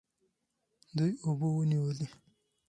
دوی اوبه ونیولې.